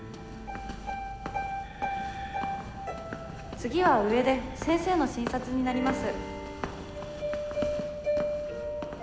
次は上で先生の診察になります。